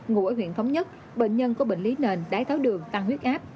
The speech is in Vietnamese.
ngụ ở huyện thống nhất bệnh nhân có bệnh lý nền đái tháo đường tăng huyết áp